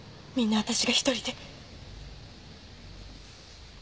みんな私が１人で。